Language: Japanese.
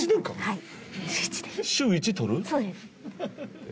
はい。